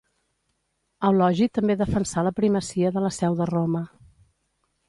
Eulogi també defensà la primacia de la seu de Roma.